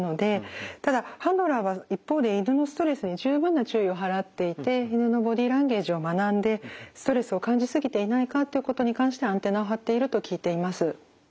ただハンドラーは一方で犬のストレスに十分な注意を払っていて犬のボディーランゲージを学んでストレスを感じすぎていないかということに関してアンテナを張っていると聞いています。